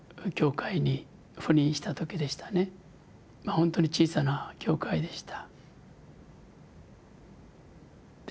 ほんとに小さな教会でした。